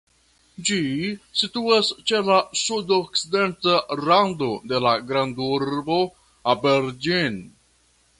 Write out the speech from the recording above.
Ĝi situas ĉe la sudokcidenta rando de la grandurbo Aberdeen.